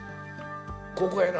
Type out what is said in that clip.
ここやな。